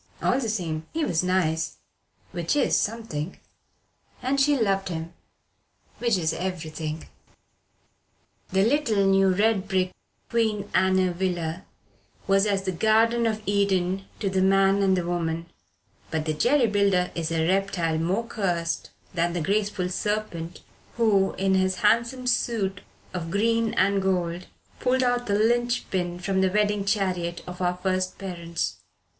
All the same, he was nice, which is something: and she loved him, which is everything. The little new red brick Queen Anne villa was as the Garden of Eden to the man and the woman but the jerry builder is a reptile more cursed than the graceful serpent who, in his handsome suit of green and gold, pulled out the lynch pin from the wedding chariot of our first parents.